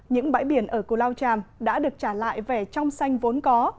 những bãi biển ở cù lao tràm đã được trả lại vẻ trong xanh vốn có